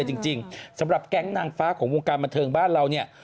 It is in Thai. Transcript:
เพราะว่าแก๊งนางฟ้าแต่งงานกันแล้วค่ะ